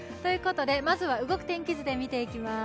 まずは動く天気図で見ていきます。